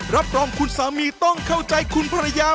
รับรองคุณสามีต้องเข้าใจคุณภรรยา